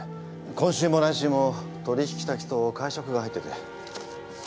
今週も来週も取引先と会食が入ってて。